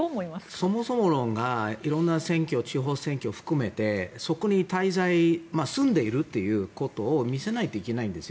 そもそも論が色んな選挙、地方選挙を含めてそこに滞在住んでいるということを見せないといけないんですよ